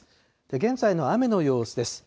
現在の雨の様子です。